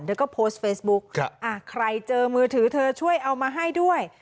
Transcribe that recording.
เธอก็โพสต์เฟซบุ๊คใครเจอมือถือเธอช่วยเอามาให้ด้วย